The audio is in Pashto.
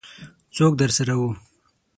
څوک درسره وو؟